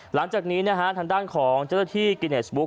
หลังจากนี้นะฮะทางด้านของเจ้าหน้าที่กิเนสบุ๊